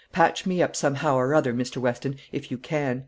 Patch me up somehow or other, Mr. Weston, if you can.